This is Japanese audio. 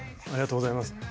ありがとうございます。